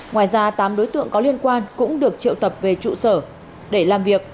ngoài ra tám đối tượng có liên quan cũng được triệu tập về trụ sở để làm việc